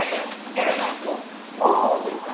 ほんならもう誤報というか。